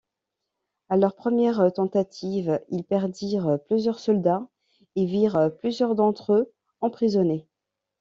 À leur première tentative, ils perdirent plusieurs soldats et virent plusieurs d'entre eux emprisonnés.